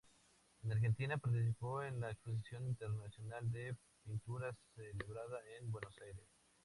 En Argentina participó en la "Exposición Internacional de Pintura" celebrada en Buenos Aires.